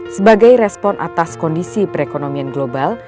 sebagai respon atas kondisi perekonomian global